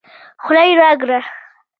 خوله يې راګړه